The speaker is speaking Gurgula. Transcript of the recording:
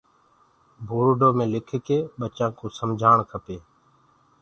پورڊو مي لِک لي ٻچآ ڪو سمجهآڻ کپي۔